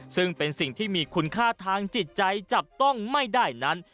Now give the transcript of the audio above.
ซึ่งเป็นสิ่งที่มีคุณค่าทางจิตใจจับต้องไม่ได้นั้น